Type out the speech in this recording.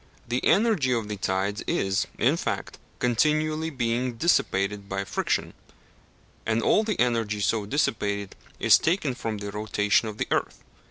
The energy of the tides is, in fact, continually being dissipated by friction, and all the energy so dissipated is taken from the rotation of the earth.